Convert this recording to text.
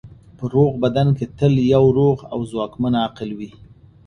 په روغ بدن کې تل یو روغ او ځواکمن عقل وي.